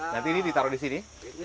nanti ini ditaruh di sini